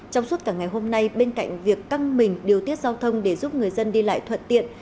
trong suốt cả ngày hôm nay bên cạnh việc căng mình điều tiết giao thông để giúp người dân đi lại thuận tiện